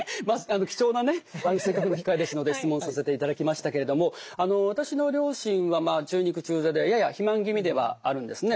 貴重なねせっかくの機会ですので質問させていただきましたけれども私の両親は中肉中背でやや肥満気味ではあるんですね。